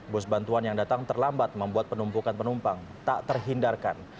bus bantuan yang datang terlambat membuat penumpukan penumpang tak terhindarkan